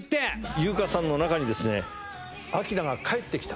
有香さんの中に明菜が帰ってきた。